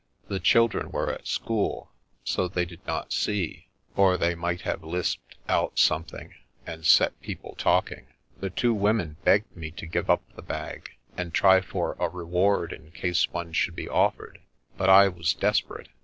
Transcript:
The children were at school, so they did not see, or they might have lisped out something, and set people talking. The two women begged me to give up the bag, and try for a reward in case one should be offered, but I was desperate.